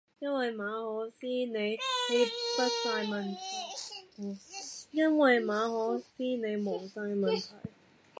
因為馬可思你無曬問題，因為馬可思你無曬問題